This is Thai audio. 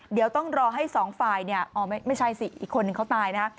เดี๋ยวต้องรอให้๒ฝ่ายไม่ใช่สิอีกคนหนึ่งเขาตายนะ